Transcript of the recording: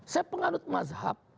saya penganut mazhab